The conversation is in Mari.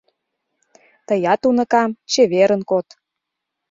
— Тыят, уныкам, чеверын код!